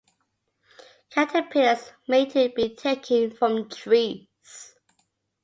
Caterpillars may too be taken from trees.